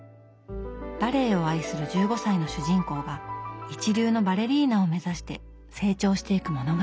バレエを愛する１５歳の主人公が一流のバレリーナを目指して成長していく物語。